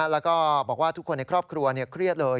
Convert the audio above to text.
แล้วก็บอกว่าทุกคนในครอบครัวเครียดเลย